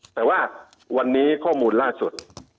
แต่ว่าวันนี้ข้อมูลล่าสุด